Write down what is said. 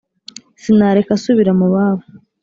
sinareka asubira mu babo